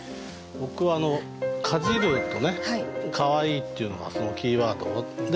僕はかじるとかわいいっていうのはキーワードでもとに。